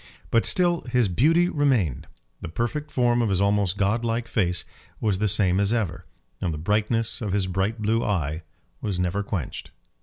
But still his beauty remained. The perfect form of his almost god like face was the same as ever, and the brightness of his bright blue eye was never quenched.